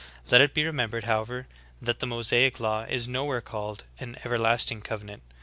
Let it be remembered, however, that the ^losaic law is nowhere called an everlasting covenant.